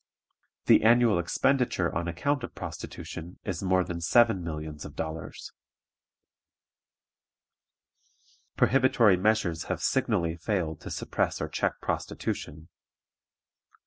The annual expenditure on account of prostitution is more than seven millions of dollars. Prohibitory measures have signally failed to suppress or check prostitution.